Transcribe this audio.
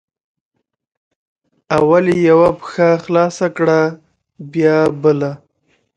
اول یې یوه پښه خلاصه کړه بیا بله